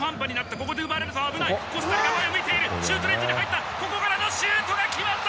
ここで奪われると危ないコスタリカ前を向いているシュートレンジに入ったここからのシュートが決まった！